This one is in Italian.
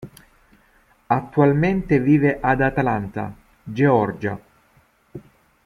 Attualmente vive ad Atlanta, Georgia.